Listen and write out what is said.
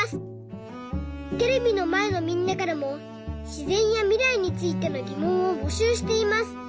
テレビのまえのみんなからもしぜんやみらいについてのぎもんをぼしゅうしています。